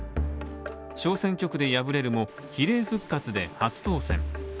小選挙区で敗れるも、比例復活で初当選。